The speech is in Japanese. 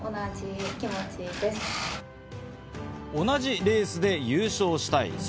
同じレースで優勝したい。